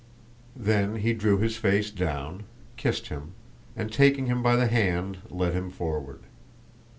Then he drew his face down, kissed him, and taking him by the hand led him forward.